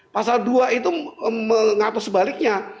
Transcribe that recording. pasal dua itu mengapa sebaliknya